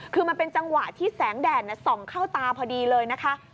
คือมันเป็นจังหวะที่แสงแดดส่องเข้าตาพอดีเลยนะคะ